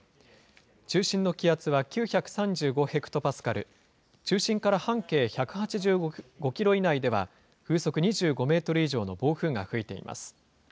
中心の気圧は９３５ヘクトパスカル、中心から半径１８５キロ以内では、風速２５メートル以上の暴風が吹いています。